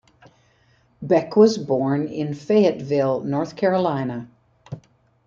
Beck was born in Fayetteville, North Carolina.